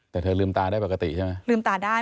แต่เธอลืมตาได้ปกติใช่ไหมลืมตาได้